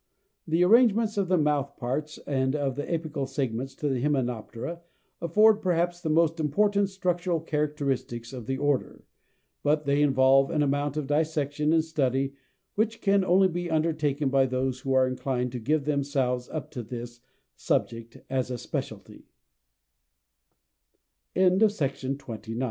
The arrangements of the mouth parts and of the apical segments of the Hymenoptera afford perhaps the most important structural characters of the order, but they involve an amount of dissection and study which can only be undertaken by those who are inclined to give themselves up to this subject as a speciality.